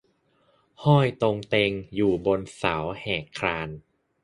ห้อยต่องแต่งอยู่บนเสาแหรกคาน